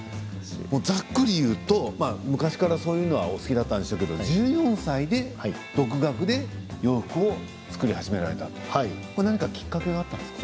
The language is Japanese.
ざっくり言うと、昔からそういうものはお好きだったんでしょうけれども、１４歳で独学で洋服を作り始められた何かきっかけがあったんですか。